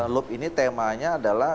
loop ini temanya adalah